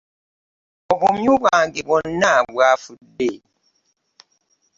Obumyu bwange bwona bwafude.